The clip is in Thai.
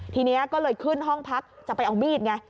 ทีนี้ก็เลยขึ้นห้องพักจะไปเอามีดไง